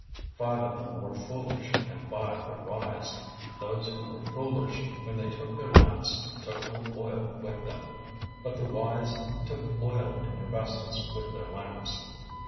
025:002 Five of them were foolish, and five were wise. 025:003 Those who were foolish, when they took their lamps, took no oil with them, 025:004 but the wise took oil in their vessels with their lamps.